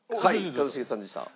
一茂さんでした。